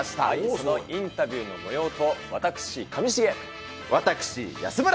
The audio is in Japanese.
そのインタビューのもようと、私、安村。